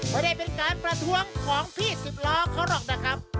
ไม่ได้เป็นการประท้วงของพี่สิบล้อเขาหรอกนะครับ